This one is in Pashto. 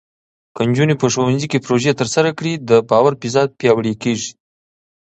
که نجونې په ښوونځي کې پروژې ترسره کړي، د باور فضا پیاوړې کېږي.